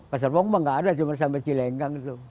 ke serpong memang nggak ada cuma sampai cilenggang itu